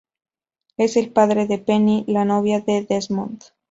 Es el padre de Penny, la novia de Desmond.